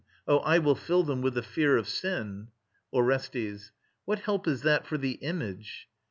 Oh, I will fill them with the fear of sin! ORESTES. What help is that for the Image?